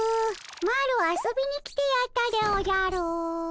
マロ遊びに来てやったでおじゃる。